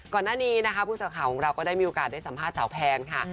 ก่อนหน้านี้นะคะผู้สื่อข่าวของเราก็ได้มีโอกาสได้สัมภาษณ์สาวแพนค่ะ